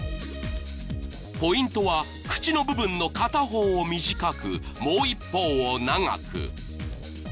［ポイントは口の部分の片方を短くもう一方を長く］